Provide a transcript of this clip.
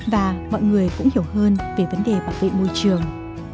và mọi người cũng hiểu hơn về vấn đề bảo vệ môi trường